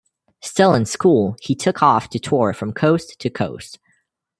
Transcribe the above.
Still in school, he took off to tour from coast to coast.